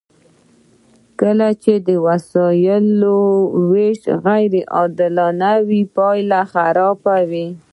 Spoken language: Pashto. کله چې د وسایلو ویش غیر عادلانه وي پایله خرابه وي.